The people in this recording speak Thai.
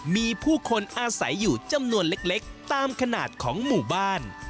มีผู้คนอาศัยอยู่จำนวนเล็กตามขนาดของหมู่บ้าน